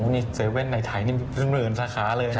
นี่๗๑๑ในไทยนี่หมื่นสาขาเลยนะฮะ